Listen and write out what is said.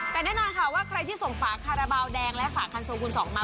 แต่แน่นอนค่ะว่าใครที่ส่งฝาคาราบาลแดงและฝาคันโซคูณสองมา